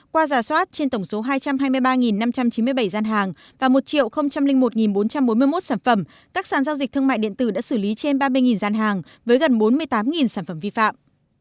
qua giả soát trên tổng số hai trăm hai mươi ba năm trăm chín mươi bảy gian hàng và một một bốn trăm bốn mươi một sản phẩm các sản giao dịch thương mại điện tử đã xử lý trên ba mươi gian hàng với gần bốn mươi tám sản phẩm vi phạm